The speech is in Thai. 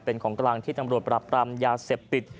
เป็นของกลางที่ตำรวจปรับปรามยาเสพติด